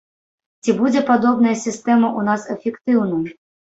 Ці будзе падобная сістэма ў нас эфектыўнай?